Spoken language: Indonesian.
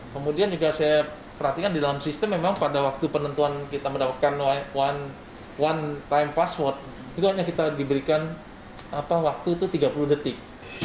kemudian juga saya perhatikan di dalam sistem memang pada waktu penentuan kita mendapatkan one time password itu hanya kita diberikan waktu itu tiga puluh detik